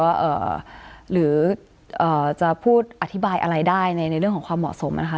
หรือจะพูดอธิบายอะไรได้ในเรื่องของความเหมาะสมนะคะ